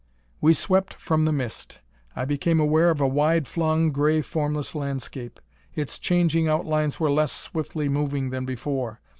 We swept from the mist. I became aware of a wide flung, gray formless landscape. Its changing outlines were less swiftly moving than before.